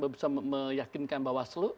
bisa meyakinkan bawaslu